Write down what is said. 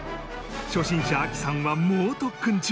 初心者亜希さんは猛特訓中！